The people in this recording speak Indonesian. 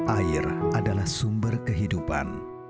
air adalah sumber kehidupan